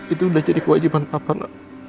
itu udah jadi kewajiban apa nak